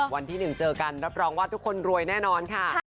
วันที่๑เจอกันรับรองว่าทุกคนรวยแน่นอนค่ะ